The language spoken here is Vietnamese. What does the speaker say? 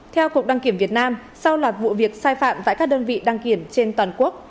theo cục đăng kiểm việt nam sau loạt vụ việc sai phạm tại các đơn vị đăng kiểm trên toàn quốc